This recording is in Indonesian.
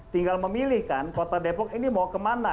tinggal memilihkan kota depok ini mau kemana